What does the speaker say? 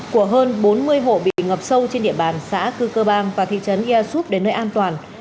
của hơn bốn mươi hộ bị ngập sâu trên địa bàn xã cư cơ bang và thị trấn ia súp đến nơi an toàn